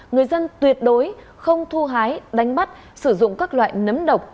người dân tuyệt đối không thu hái đánh bắt sử dụng các loại nấm độc